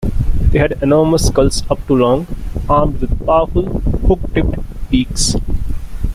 They had enormous skulls up to long, armed with powerful, hook-tipped beaks.